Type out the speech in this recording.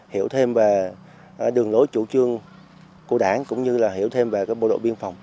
hiểu thêm về đường lối chủ trương của đảng cũng như là hiểu thêm về bộ đội biên phòng